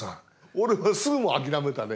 俺はすぐもう諦めたね。